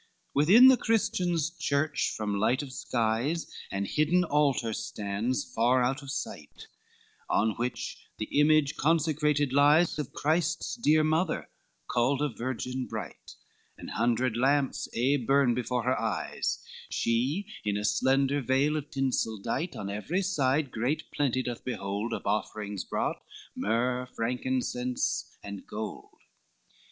V "Within the Christian's church from light of skies, An hidden alter stands, far out of sight, On which the image consecrated lies Of Christ's dear mother, called a virgin bright, An hundred lamps aye burn before her eyes, She in a slender veil of tinsel dight, On every side great plenty doth behold Of offerings brought, myrrh, frankincense and gold.